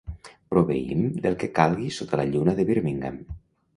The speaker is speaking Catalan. Proveïm del que calgui sota la lluna de Birmingham.